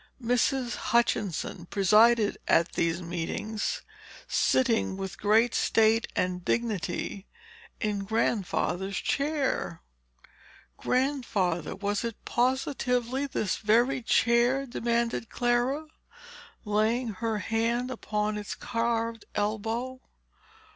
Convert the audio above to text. Mrs. Hutchinson presided at these meetings, sitting, with great state and dignity, in Grandfather's chair." "Grandfather, was it positively this very chair?" demanded Clara, laying her hand upon its carved elbow.